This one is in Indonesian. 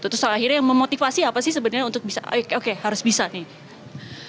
terus akhirnya yang memotivasi apa sih sebenarnya untuk bisa oke harus bisa nih